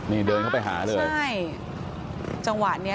นี่เดินเข้าไปหาเลยใช่จังหวะเนี้ย